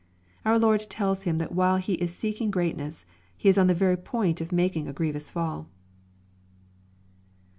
Our Lord tells him that while he is seeking greatness, he is on the very point of making a grievous fall.